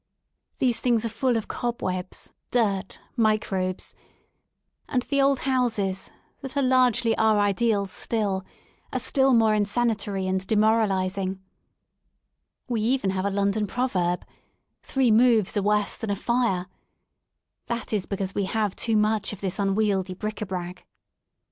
These things are full of cobwebs^ dirt, microbes; and the old houses, that are largely our ideals still, are still more insanitary and demoralising We have even a London proverb: ^ 'Three moves are worse than a fire" ; that is because we have too much of this unwieldy bric a brac.